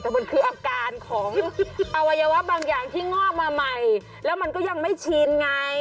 แต่มันคืออาการของอวัยวะบางอย่างที่งอกมาใหม่แล้วมันก็ยังไม่ชินไง